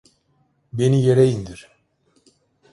Beni yere indir!